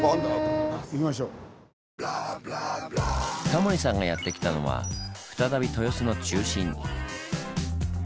タモリさんがやってきたのは再び豊洲の中心。